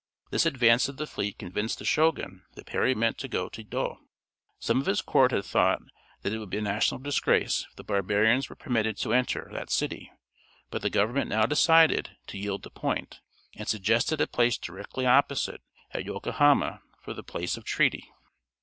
This advance of the fleet convinced the Shogun that Perry meant to go to Yedo. Some of his court had thought that it would be a national disgrace if the barbarians were permitted to enter that city, but the government now decided to yield the point, and suggested a place directly opposite, at Yokohama, for the place of treaty.